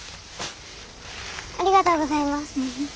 ありがとうございます。